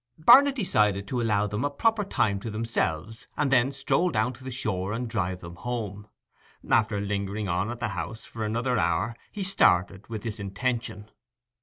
Barnet decided to allow them a proper time to themselves, and then stroll down to the shore and drive them home. After lingering on at the house for another hour he started with this intention.